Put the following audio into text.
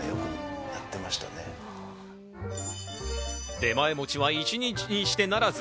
出前持ちは１日にして成らず。